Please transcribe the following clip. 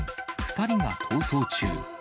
２人が逃走中。